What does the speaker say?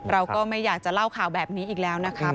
เราก็ไม่อยากจะเล่าข่าวแบบนี้อีกแล้วนะครับ